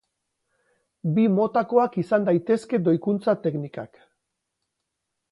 Bi motakoak izan daitezke doikuntza teknikak.